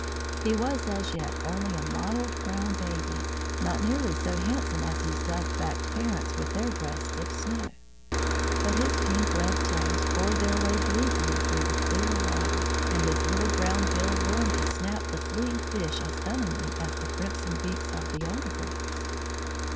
He was as yet only a mottled brown baby, not nearly so handsome as his dove backed parents with their breasts of snow. But his pink webbed toes oared their way gleefully through the clear water, and his little brown bill learned to snap the fleeing fish as cunningly as the crimson beaks of the older birds.